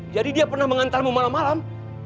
jadi dia pernah mengantarmu malam malam